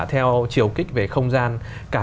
theo chiều kích về không gian cả